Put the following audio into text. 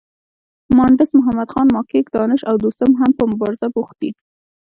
مانډس محمدخان، ماکیک، دانش او دوستم هم په مبارزه بوخت دي.